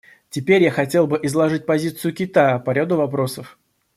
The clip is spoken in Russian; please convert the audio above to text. Теперь я хотел бы изложить позицию Китая по ряду вопросов.